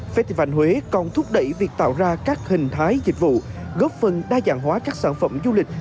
festival huế còn thúc đẩy việc tạo ra các hình thái dịch vụ góp phần đa dạng hóa các sản phẩm du lịch